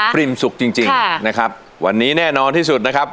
ปริ่มสุกจริงนะครับวันนี้แน่นอนที่สุดนะครับ